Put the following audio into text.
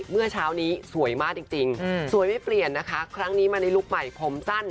เมื่อเช้านี้สวยมากจริงสวยไม่เปลี่ยนนะคะครั้งนี้มาในลุคใหม่ผมสั้น